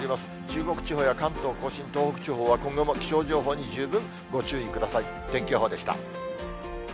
中国地方や関東甲信、東北地方は、今後も気象情報に十分ご注意ください。